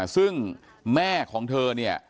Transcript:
ซึ่งแม่ของเธอเนี่ย